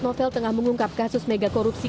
novel tengah mengungkap kasus mega korupsi